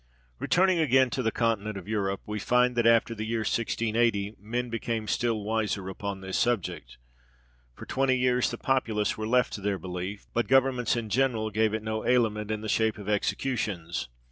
Returning again to the continent of Europe, we find that, after the year 1680, men became still wiser upon this subject. For twenty years the populace were left to their belief, but governments in general gave it no aliment in the shape of executions.